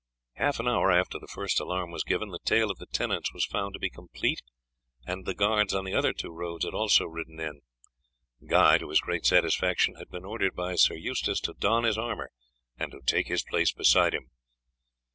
Half an hour after the first alarm was given the tale of the tenants was found to be complete, and the guards on the other two roads had also ridden in. Guy, to his great satisfaction, had been ordered by Sir Eustace to don his armour and to take his place beside him.